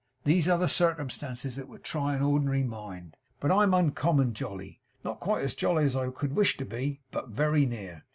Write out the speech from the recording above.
These are the circumstances that would try a ordinary mind; but I'm uncommon jolly. Not quite as jolly as I could wish to be, but very near.